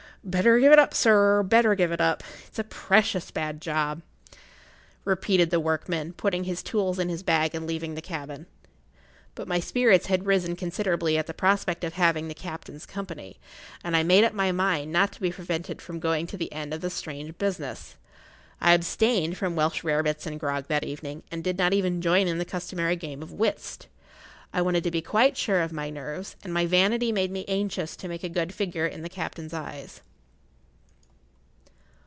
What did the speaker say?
"Better give it up, sir—better give it up! It's a precious bad job," repeated the workman, putting his tools in his bag and leaving the cabin. But my spirits had risen considerably at the prospect of having the captain's company, and I made up my mind not to be prevented[Pg 56] from going to the end of the strange business. I abstained from Welsh rare bits and grog that evening, and did not even join in the customary game of whist. I wanted to be quite sure of my nerves, and my vanity made me anxious to make a good figure in the captain's eyes.